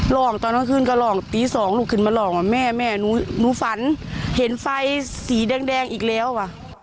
ลองตอนน้ำขึ้นก็ลองตี๒ลูกขึ้นมาลองว่าแม่นูฝันเห็นไฟสีแดงอีกแล้ววะ